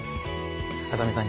浅見さん